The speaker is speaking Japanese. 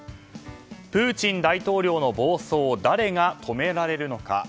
プーチン大統領の暴走誰が止められるのか。